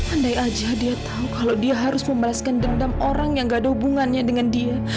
andai aja dia tahu kalau dia harus membalaskan dendam orang yang gak ada hubungannya dengan dia